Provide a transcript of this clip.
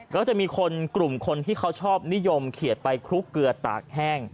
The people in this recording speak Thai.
ก็จะมีคนกลุ่มคนที่เขาชอบนิยมเขียดไปคลุกเกลือตากแห้ง